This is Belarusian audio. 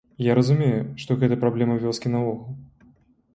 Я разумею, што гэта праблема вёскі наогул.